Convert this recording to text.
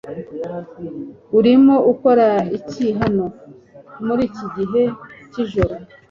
Urimo ukora iki hano muri iki gihe cyijoro?